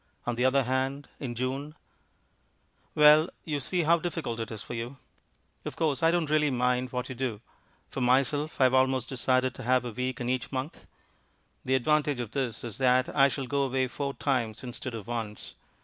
On the other hand, in June Well, you see how difficult it is for you. Of course, I don't really mind what you do. For myself I have almost decided to have a week in each month. The advantage of this is that I shall go away four times instead of once.